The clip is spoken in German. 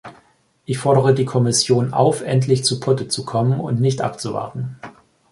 Ich fordere die Kommission auf, endlich zu Potte zu kommen und nicht abzuwarten!